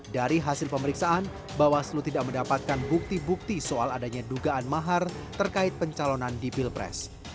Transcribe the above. dari hasil pemeriksaan bawaslu tidak mendapatkan bukti bukti soal adanya dugaan mahar terkait pencalonan di pilpres